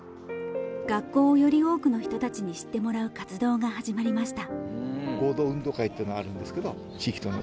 学校をより多くの人たちに知ってもらう活動が始まりました。